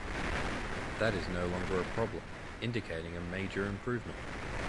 That is no longer a problem, indicating a major improvement.